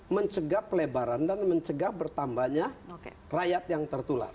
mencegah pelebaran dan mencegah bertambahnya rakyat yang tertular